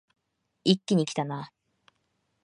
一気にきたな